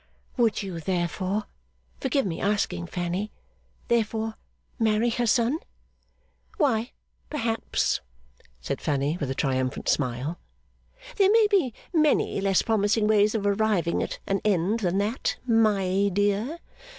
'Would you therefore forgive my asking, Fanny therefore marry her son?' 'Why, perhaps,' said Fanny, with a triumphant smile. 'There may be many less promising ways of arriving at an end than that, my dear.